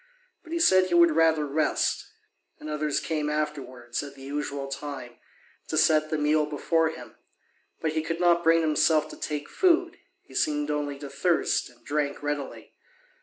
But he said he would rather rest. And others came afterwards, at the usual time, to set the meal before him; but he could not bring himself to take food: he seemed only to thirst, and drank readily.